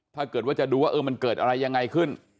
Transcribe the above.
ถ้าเกิดว่าจะดูว่ามันเกิดอะไรยังไงขึ้น